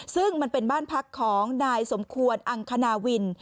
ซึ่งมันเป็นบ้านพักของนายสมควรอังคณาวิน